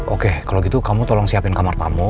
oke kalau gitu kamu tolong siapin kamar tamu